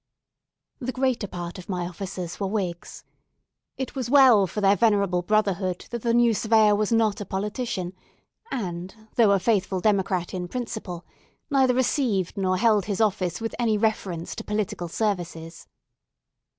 The greater part of my officers were Whigs. It was well for their venerable brotherhood that the new Surveyor was not a politician, and though a faithful Democrat in principle, neither received nor held his office with any reference to political services.